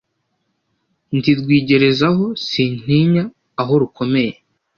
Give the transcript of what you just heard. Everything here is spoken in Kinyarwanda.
Ndi Rwigerezaho sintinya aho rukomeye,